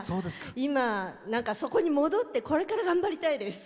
今、そこに戻ってこれから頑張りたいです。